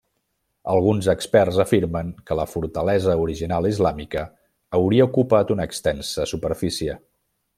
Alguns experts afirmen que la fortalesa original islàmica hauria ocupat una extensa superfície.